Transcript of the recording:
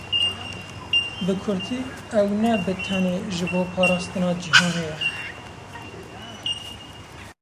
Bi kurtî, ew ne bi tenê ji bo parastina cîhanê ye.